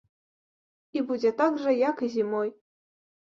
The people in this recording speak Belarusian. І будзе так жа, як і зімой.